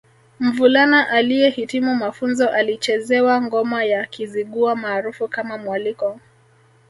Mvulana aliyehitimu mafunzo alichezewa ngoma ya Kizigua maarufu kama Mwaliko